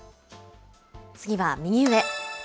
次は右上。